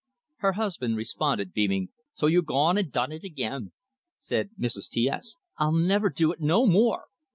Her husband responded, beaming, "So you gone and done it again!" Said Mrs. T S: "I'll never do it no more!"